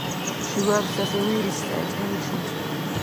She works as a real estate agent.